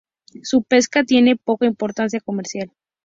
Su pesca tiene poca importancia comercial.